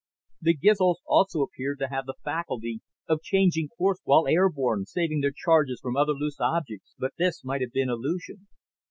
The Gizls also appeared to have the faculty of changing course while airborne, saving their charges from other loose objects, but this might have been illusion.